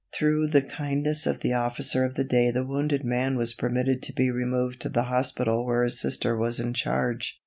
Through the kindness of the officer of the day the wounded man was permitted to be removed to the hospital where his sister was in charge.